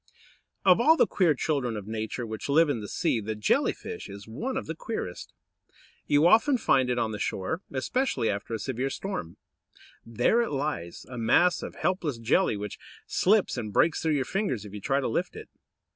Or all the queer children of Nature which live in the sea, the Jelly fish is one of the queerest. You often find it on the shore, especially after a severe storm. There it lies, a mass of helpless jelly, which slips and breaks through your fingers if you try to lift it.